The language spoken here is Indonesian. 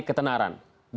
ke egentarai pemerintah